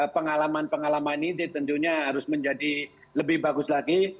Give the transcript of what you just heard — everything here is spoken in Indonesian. pengalaman pengalaman ini tentunya harus menjadi lebih bagus lagi